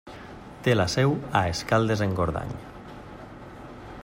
Té la seu a Escaldes-Engordany.